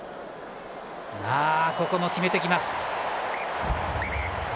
ここも決めてきます。